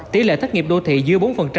tỷ lệ thất nghiệp đô thị dư bốn